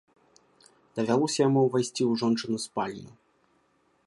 Давялося яму ўвайсці ў жончыну спальню.